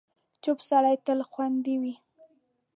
چوپ سړی، تل خوندي وي.